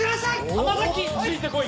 浜崎ついてこい！